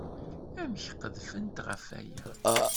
Amek qedfent ɣer waya?